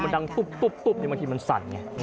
คือมันดังตุ๊บเนี่ยเมื่อกี้มันสั่นเนี่ย